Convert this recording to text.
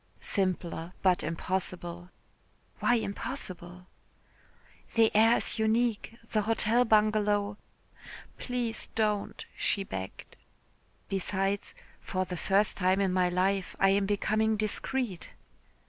"Simpler but impossible." "Why impossible?" "The air is unique. The Hotel Bungalow...." "Please don't," she begged. "Besides, for the first time in my life I am becoming discreet."